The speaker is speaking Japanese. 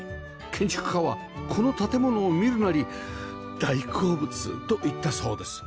建築家はこの建物を見るなり「大好物」と言ったそうです